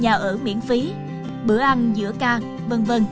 đi học nhà ở miễn phí bữa ăn giữa ca v v